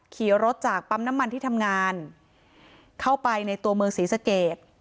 ขี่รถจากปั๊มน้ำมันที่ทำงานเข้าไปในตัวเมืองศรีสเกต